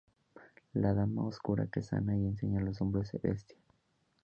La Dama Oscura que sana y enseña a los hombres bestia.